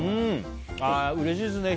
うれしいですね